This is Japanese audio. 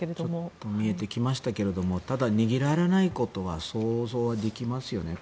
ちょっと見えてきましたがただ、逃げられないことは想像はできますよね。